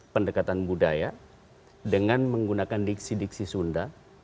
pendekatan budaya dengan menggunakan diksi diksi sunda